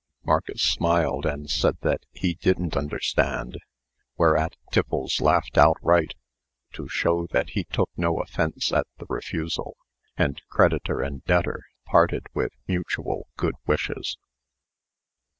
Marcus smiled, and said that he didn't understand; whereat Tiffles laughed outright, to show that he took no offence at the refusal; and creditor and debtor parted with mutual good wishes.